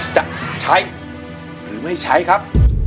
จะใช้หรือไม่ใช้ครับ